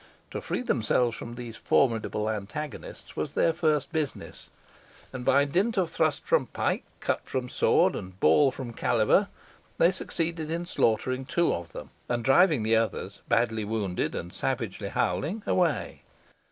To free themselves from these formidable antagonists was their first business, and by dint of thrust from pike, cut from sword, and ball from caliver, they succeeded in slaughtering two of them, and driving the others, badly wounded, and savagely howling, away.